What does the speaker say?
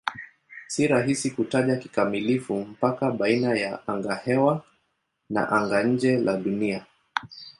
Si rahisi kutaja kikamilifu mpaka baina ya angahewa na anga-nje la Dunia.